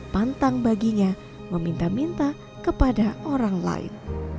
pantang baginya meminta minta kepada orang lain